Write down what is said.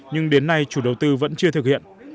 nhưng đến nay chủ đầu tư vẫn chưa thực hiện